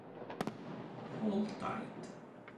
Hold Tight